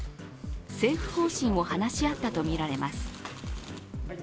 政府方針を話し合ったとみられます。